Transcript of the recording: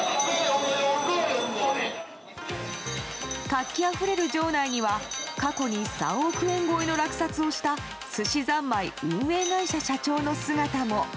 活気あふれる場内には過去に３億円超えの落札をしたすしざんまい運営会社社長の姿も。